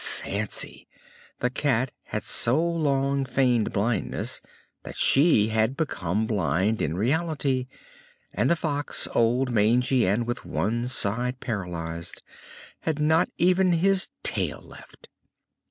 Fancy! the Cat had so long feigned blindness that she had become blind in reality; and the Fox, old, mangy, and with one side paralyzed, had not even his tail left.